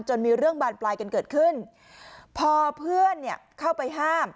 มีเรื่องบานปลายกันเกิดขึ้นพอเพื่อนเนี่ยเข้าไปห้าม